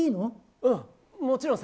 うん、もちろんさ。